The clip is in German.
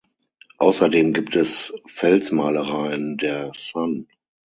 Außerdem gibt es Felsmalereien der San.